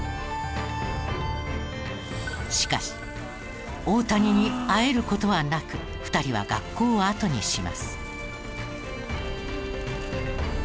しかし大谷に会える事はなく２人は学校をあとにします。